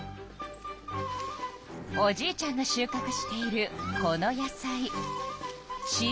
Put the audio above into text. おじいちゃんがしゅうかくしているこの野菜